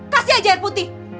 kasih aja air putih